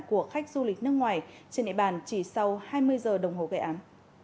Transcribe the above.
của khách du lịch nước ngoài trên địa bàn chỉ sau hai mươi giờ đồng hồ gây án